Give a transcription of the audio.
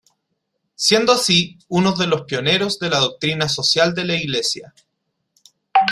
Siendo así unos de los pioneros de la Doctrina Social de La Iglesia.